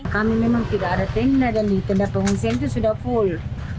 kami memang tidak ada tenda dan di tenda pengungsian itu sudah full